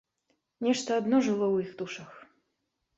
Нешта адно жыло ў іх душах.